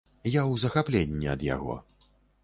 Я ў захапленні ад яго.